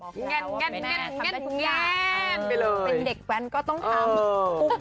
แก่งแก่งแก่งก็ต้องต้องการ